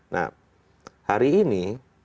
nah hari ini